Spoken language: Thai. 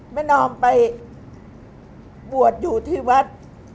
แม่นอมไปบวชอยู่ที่วัด